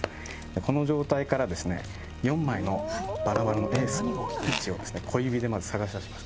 この状態から４枚のバラバラのエースの位置を小指で探します。